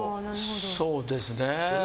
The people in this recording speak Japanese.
そうですね。